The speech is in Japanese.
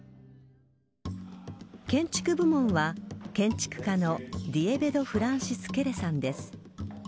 建築部門は建築家のディエベド・フランシス・ケレさんです。